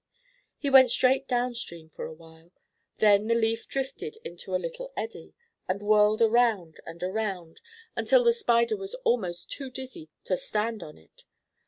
He went straight down stream for a while, then the leaf drifted into a little eddy, and whirled around and around, until the Spider was almost too dizzy to stand on it.